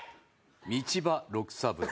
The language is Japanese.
道場六三郎。